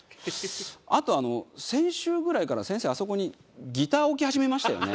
あとあの先週ぐらいから先生あそこにギター置き始めましたよね？